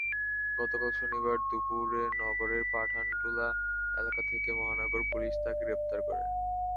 গতকাল শনিবার দুপুরে নগরের পাঠানটুলা এলাকা থেকে মহানগর পুলিশ তাঁকে গ্রেপ্তার করে।